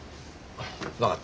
分かった。